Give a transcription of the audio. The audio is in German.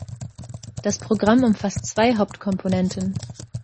Das Programm umfasst zwei Hauptkomponenten.